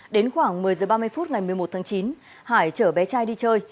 đến khoảng một mươi h ba mươi phút ngày một mươi một tháng chín hải chở bé trai đi chơi